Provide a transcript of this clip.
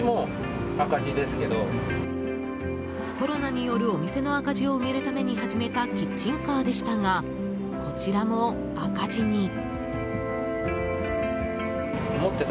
コロナによるお店の赤字を埋めるために始めたキッチンカーでしたがこちらも赤字に。